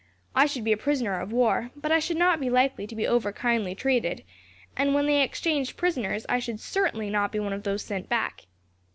I should be a prisoner of war, but I should not be likely to be over kindly treated, and when they exchanged prisoners I should certainly not be one of those sent back.